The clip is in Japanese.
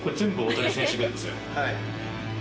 はい。